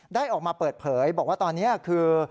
ได้ออกมาเปิดเผยบอกว่าตอนนี้คือ